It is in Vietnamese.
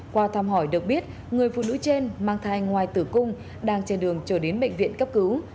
qua thăm hỏi được biết người phụ nữ trên mang thai ngoài tử cung đang trên đường trở đến bệnh viện cấp cứu